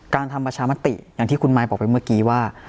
ทำประชามติอย่างที่คุณมายบอกไปเมื่อกี้ว่า